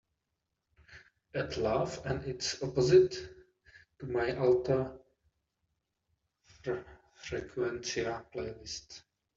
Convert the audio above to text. Add Love and Its Opposite to my Alta Frecuencia playlist.